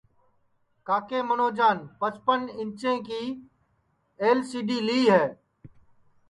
کاکے منوجان پچپن اینچیں کی ال سی ڈی لی ہے